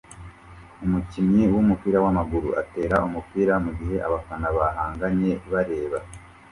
Umukinnyi wumupira wamaguru atera umupira mugihe abafana bahanganye bareba